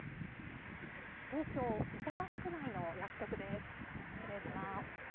東京・板橋区内の薬局です。